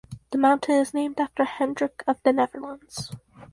The mountain is named after Hendrik of the Netherlands.